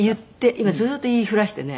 今ずっと言いふらしてね